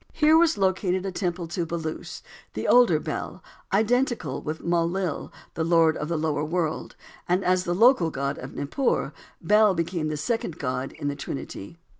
Here was located a temple to Belus, the older Bel, identical with Mul lil, the Lord of the lower world, and as the local god of Nippur, Bel became the second god in the trinity.